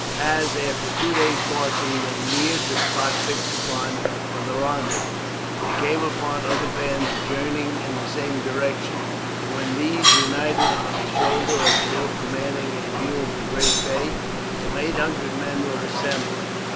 As, after two days' marching, they neared the spot fixed upon for the rendezvous, they came upon other bands journeying in the same direction; and when these united on a shoulder of the hill commanding a view of the great bay, some eight hundred men were assembled.